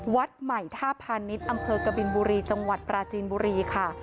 วัดใหม่ท่าพาณิชย์อำเภอกบินบุรีจังหวัดปราจีนบุรีค่ะ